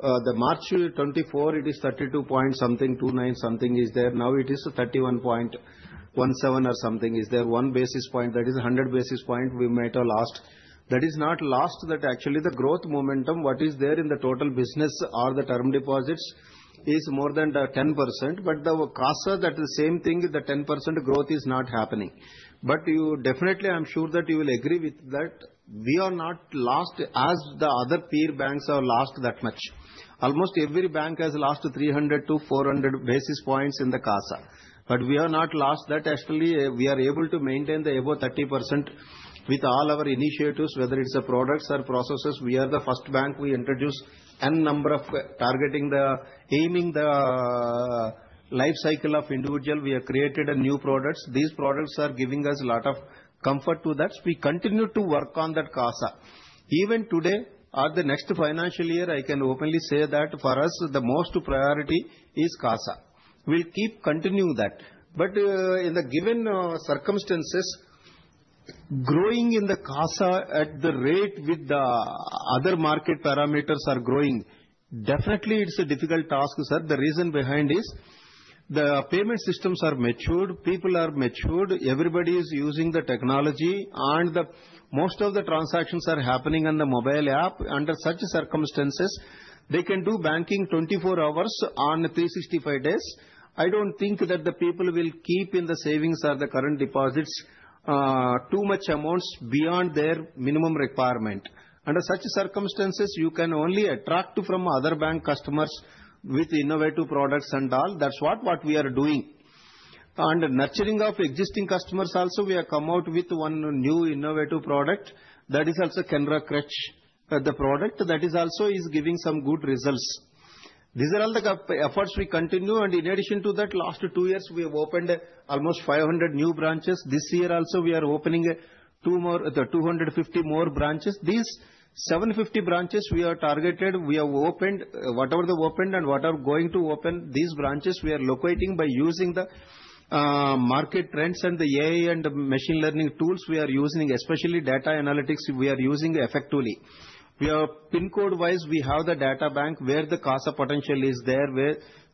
the March 2024, it is 32 point something, 29 something is there. Now it is 31.17 or something is there, one basis point. That is 100 basis points we lost last. That is not lost that actually the growth momentum what is there in the total business or the term deposits is more than 10%. But the CASA, that is the same thing, the 10% growth is not happening. But definitely, I am sure that you will agree with that. We are not lost as the other peer banks are lost that much. Almost every bank has lost 300 to 400 basis points in the CASA. But we are not lost that actually we are able to maintain the above 30% with all our initiatives, whether it is products or processes. We are the first bank we introduced n number of targeting the aiming the life cycle of individual. We have created new products. These products are giving us a lot of comfort to that. We continue to work on that CASA. Even today or the next financial year, I can openly say that for us, the most priority is CASA. We'll keep continuing that. But in the given circumstances, growing in the CASA at the rate with the other market parameters are growing, definitely it's a difficult task, sir. The reason behind is the payment systems are matured. People are matured. Everybody is using the technology and most of the transactions are happening on the mobile app. Under such circumstances, they can do banking 24 hours on 365 days. I don't think that the people will keep in the savings or the current deposits too much amounts beyond their minimum requirement. Under such circumstances, you can only attract from other bank customers with innovative products and all. That's what we are doing, and nurturing of existing customers also, we have come out with one new innovative product. That is also Kendra Canara. The product that is also is giving some good results. These are all the efforts we continue, and in addition to that, last two years, we have opened almost 500 new branches. This year also, we are opening 250 more branches. These 750 branches we are targeted. We have opened whatever the opened and whatever going to open these branches, we are locating by using the market trends and the AI and machine learning tools we are using, especially data analytics, we are using effectively. We are PIN code-wise. We have the database where the CASA potential is there.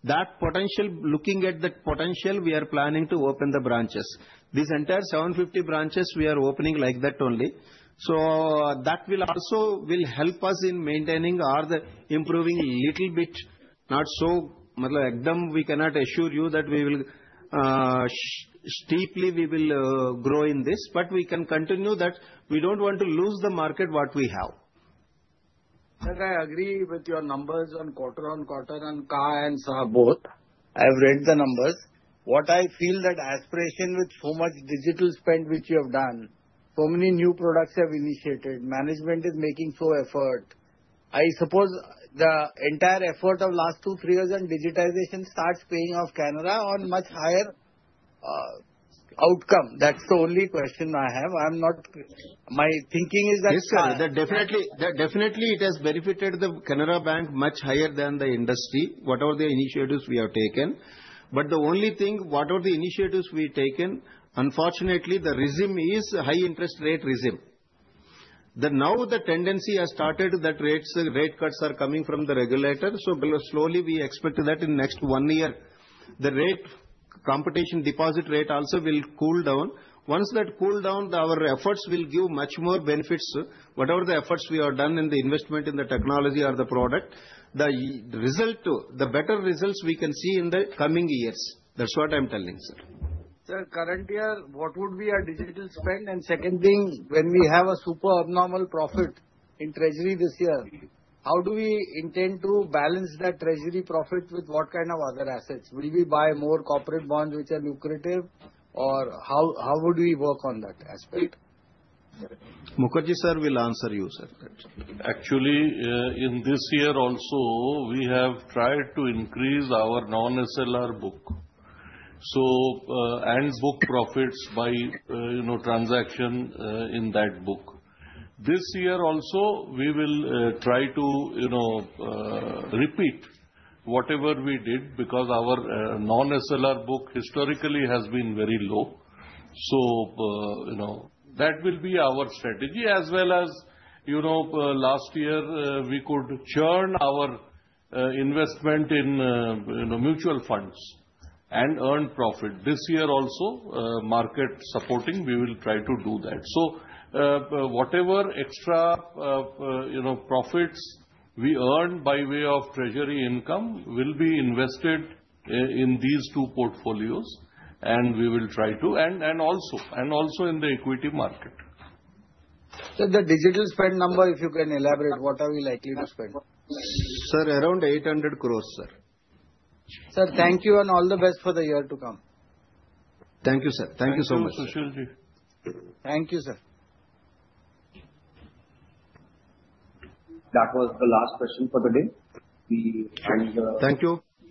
That potential, looking at the potential, we are planning to open the branches. These entire 750 branches, we are opening like that only. So that will also help us in maintaining or improving a little bit. Not so much, we cannot assure you that we will steeply we will grow in this. But we can continue that. We don't want to lose the market what we have. Sir, I agree with your numbers on quarter-on-quarter and CASA both. I have read the numbers. What I feel that aspiration with so much digital spend which you have done, so many new products have initiated, management is making so much effort. I suppose the entire effort of last two-three years and digitization starts paying off can drive a much higher outcome. That's the only question I have. My thinking is that. Yes, sir. Definitely, it has benefited the Canara Bank much higher than the industry, whatever the initiatives we have taken. But the only thing, whatever the initiatives we taken, unfortunately, the regime is high interest rate regime. Now the tendency has started that rate cuts are coming from the regulator. So slowly, we expect that in next one year, the rate competition deposit rate also will cool down. Once that cool down, our efforts will give much more benefits. Whatever the efforts we have done in the investment in the technology or the product, the better results we can see in the coming years. That's what I'm telling, sir. Sir, current year, what would be our digital spend? And second thing, when we have a super abnormal profit in treasury this year, how do we intend to balance that treasury profit with what kind of other assets? Will we buy more corporate bonds which are lucrative? Or how would we work on that aspect? Mukherjee sir will answer you, sir. Actually, in this year also, we have tried to increase our Non-SLR book. So, and book profits by transaction in that book. This year also, we will try to repeat whatever we did because our Non-SLR book historically has been very low. So that will be our strategy as well as last year, we could churn our investment in mutual funds and earn profit. This year also, market supporting, we will try to do that. So whatever extra profits we earn by way of treasury income will be invested in these two portfolios. And we will try to. And also in the equity market. Sir, the digital spend number, if you can elaborate, what are we likely to spend? Sir, around 800 crore, sir. Sir, thank you and all the best for the year to come. Thank you, sir. Thank you so much. Thank you, Ashlesh ji. Thank you, sir. That was the last question for the day. Thank you.